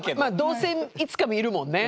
どうせいつか見るもんね。